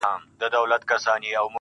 او د خپل زړه په تصور كي مي.